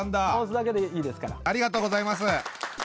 ありがとうございます。